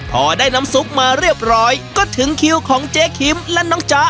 พอได้น้ำซุปมาเรียบร้อยก็ถึงคิวของเจ๊คิมและน้องจ๊ะ